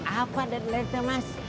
apa deadlinenya mas